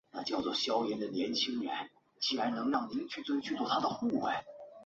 因此这个地方在基督教传播到挪威之前很久以来就已经是一个重要的聚集地了。